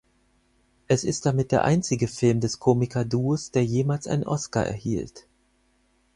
Es ist damit der einzige Film des Komikerduos, der jemals einen Oscar erhielt.